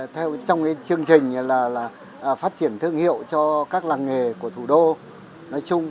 theo trong cái chương trình là phát triển thương hiệu cho các làng nghề của thủ đô nói chung